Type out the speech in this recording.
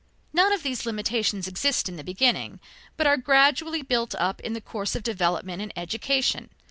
None of these limitations exist in the beginning, but are gradually built up in the course of development and education.